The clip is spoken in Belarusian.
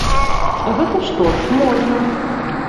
Гэта што ж, можна.